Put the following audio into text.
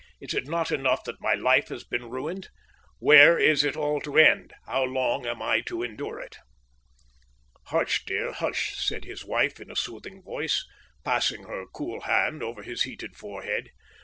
Is it not enough that my life has been ruined? When is it all to end? How long am I to endure it?" "Hush, dear, hush!" said his wife in a soothing voice, passing her cool hand over his heated forehead.